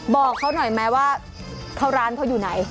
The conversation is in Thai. บอกเขาหน่อยไหมว่าร้านเขาอยู่ไหน